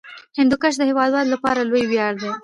هندوکش د هیوادوالو لپاره لوی ویاړ دی.